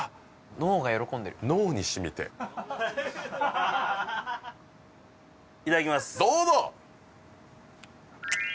脳が喜んでる脳にしみていただきますどうぞ！